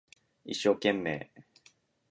一生懸命